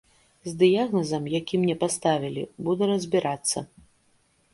З дыягназам, які мне паставілі, буду разбірацца.